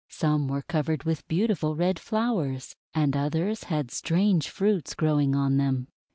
Some were covered with beautiful red flowers, and others had strange fruits growing on them.